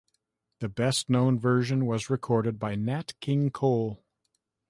The best-known version was recorded by Nat King Cole.